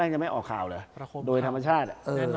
ยังไม่ออกข่าวเหรอโดยธรรมชาติ